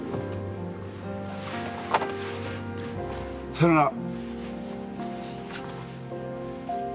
さようなら。